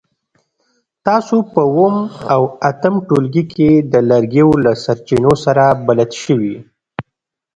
تاسو په اووم او اتم ټولګي کې د لرګیو له سرچینو سره بلد شوي.